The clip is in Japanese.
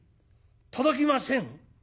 届きません？